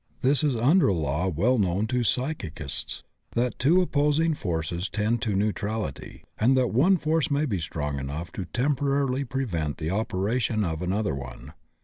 This is under a law well known to physicists, that two opposing forces tend to neutrality, and that one force may be strong enough to temporarily prevent the operation of ano&er one.